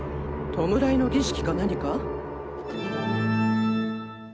弔いの儀式か何か？